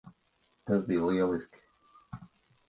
Tas bija lieliski.